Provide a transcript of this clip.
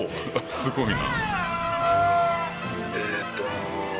すごいな。